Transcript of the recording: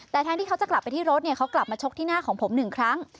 แต่แทนที่เขาจะกลับไปที่รถเนี่ยเขากลับมาชกที่หน้าของผมหนึ่งครั้ง